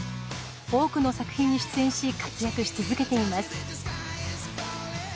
多くの作品に出演し活躍し続けています。